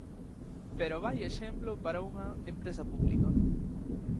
Pero ¡vaia exemplo para unha empresa pública!